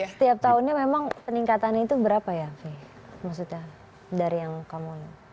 setiap tahunnya memang peningkatannya itu berapa ya maksudnya dari yang kamu